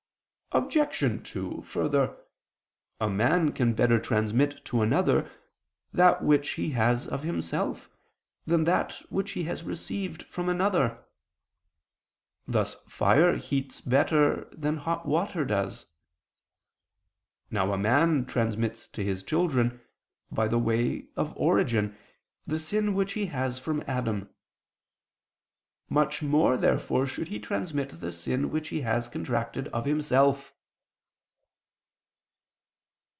Obj. 2: Further, a man can better transmit to another, that which he has of himself, than that which he has received from another: thus fire heats better than hot water does. Now a man transmits to his children, by the way, of origin, the sin which he has from Adam. Much more therefore should he transmit the sin which he has contracted of himself.